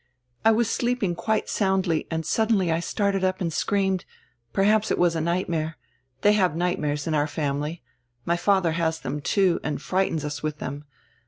" "I was sleeping quite soundly and suddenly I started up and screamed — perhaps it was a nightmare — diey have nightmares in our family — My father has them, too, and frightens us widi diem.